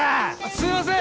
すいません！